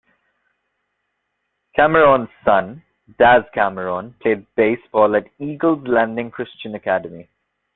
Cameron's son, Daz Cameron, played baseball at Eagle's Landing Christian Academy.